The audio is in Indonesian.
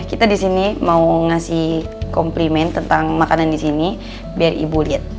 kita disini mau ngasih komplimen tentang makanan disini biar ibu liat